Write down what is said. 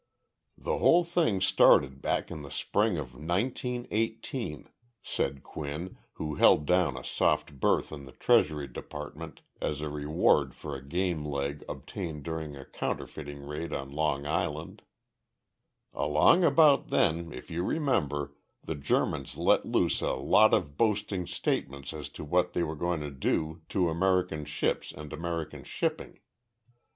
The whole thing started back in the spring of 1918 [said Quinn, who held down a soft berth in the Treasury Department as a reward for a game leg obtained during a counterfeiting raid on Long Island]. Along about then, if you remember, the Germans let loose a lot of boasting statements as to what they were going to do to American ships and American shipping.